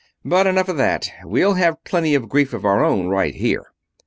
"But enough of that, we'll have plenty of grief of our own right here."